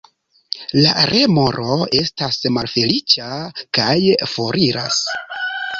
La remoro estas malfeliĉa kaj foriras.